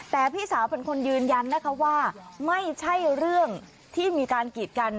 แต่พี่สาวเป็นคนยืนยันนะคะว่าไม่ใช่เรื่องที่มีการกีดกัน